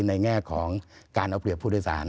แง่ของการเอาเปรียบผู้โดยสาร